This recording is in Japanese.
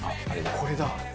これだ。